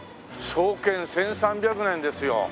「創建１３００年」ですよほら。